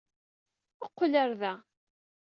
Qqel ɣel da.